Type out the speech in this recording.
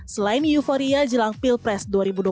selain euforia jelang pilpres dua ribu dua puluh